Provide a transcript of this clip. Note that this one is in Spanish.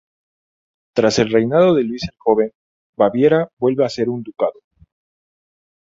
Tras el reinado de Luis el Joven, Baviera vuelve a ser un ducado.